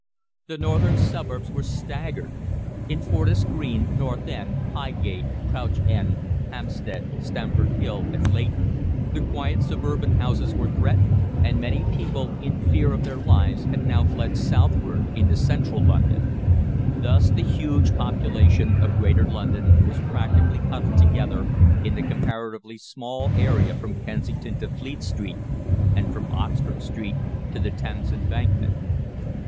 The northern suburbs were staggered. In Fortis Green, North End, Highgate, Crouch End, Hampstead, Stamford Hill, and Leyton the quiet suburban houses were threatened, and many people, in fear of their lives, had now fled southward into central London. Thus the huge population of greater London was practically huddled together in the comparatively small area from Kensington to Fleet Street, and from Oxford Street to the Thames Embankment.